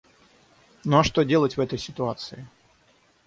Ну а что делать в этой ситуации?